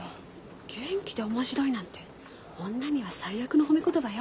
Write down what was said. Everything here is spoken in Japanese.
元気で面白いなんて女には最悪の褒め言葉よ。